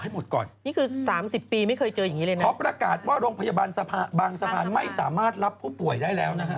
เฮ้อเราคุณช่วยอยู่เหรอเท่าที่เราได้